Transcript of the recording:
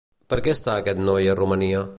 Per què està aquest noi a Romania?